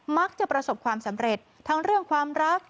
มักจะประสบความสำเร็จทั้งเรื่องความรัก